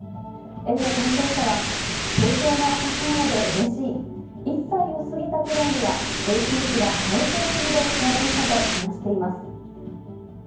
園の担当者は、成長の証しなのでうれしい、１歳を過ぎたくらいには、永久歯が生えそろうのではないかと話しています。